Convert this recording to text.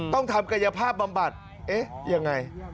ต้องทำกายภาพบำบัดเอ๊ะยังไง